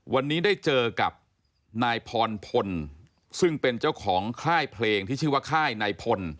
วันนี้ได้เจอกับนายพรพลซึ่งเป็นเจ้าของค่ายเพลงที่ชื่อว่าค่ายนายพล